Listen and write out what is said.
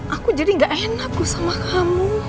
aku jadi gak enakku sama kamu